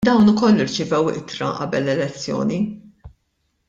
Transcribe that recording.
Dawn ukoll irċevew ittra qabel l-elezzjoni.